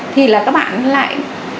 thì là các bạn lại